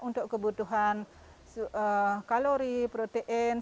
untuk kebutuhan kalori protein